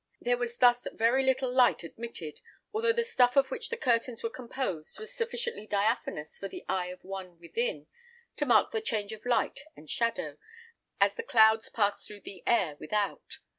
There was thus very little light admitted, although the stuff of which the curtains were composed was sufficiently diaphanous for the eye of any one within to mark the change of light and shadow, as the clouds passed through the air without.